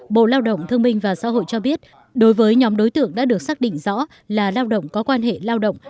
bộ lao động thương minh và xã hội cho biết đối với nhóm đối tượng đã được xác định rõ là lao động có quan hệ lao động